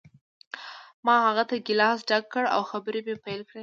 ما هغه ته ګیلاس ډک کړ او خبرې مې پیل کړې